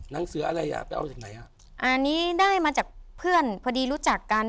หนังสืออะไรอ่ะไปเอาจากไหนฮะอันนี้ได้มาจากเพื่อนพอดีรู้จักกัน